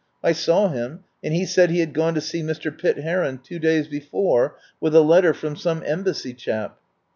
I saw him, and he said he had gone to see Mr. Pitt Heron two days before with a letter from some Embassy chap.